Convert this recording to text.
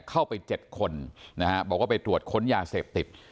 เข้าไป๗คนนะฮะบอกว่าไปตรวจค้นยาเสพติด